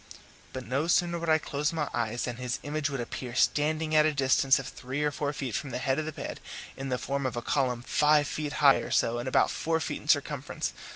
But no sooner would I close my eyes than his image would appear standing at a distance of three or four feet from the head of the bed, in the form of a column five feet high or so and about four feet in circumference.